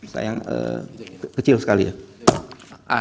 saya yang kecil sekali ya